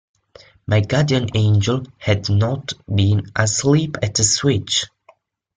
My guardian angel had not been asleep at the switch.